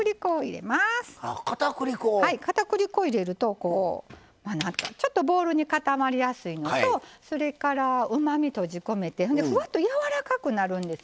かたくり粉入れるとこうまあなんかちょっとボールに固まりやすいのとそれからうまみ閉じ込めてふわっとやわらかくなるんですね。